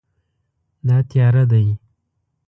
دا تیاره دی